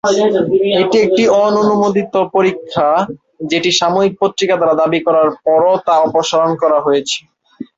এটি একটি অননুমোদিত পরীক্ষা, যেটি সাময়িক পত্রিকা দ্বারা দাবি করার পরও তা অপসারণ করা হয়েছে।